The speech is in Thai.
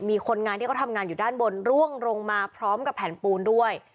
มีคนงานที่เขาทำงานอยู่ด้านบนร่วงลงมาพร้อมกับแผ่นปูนด้วย